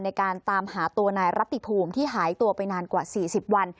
ในการตามหาตัวนายรัติภูมิที่หายตัวไปนานกว่า๔๐วัน